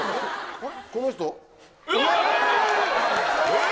この人？え！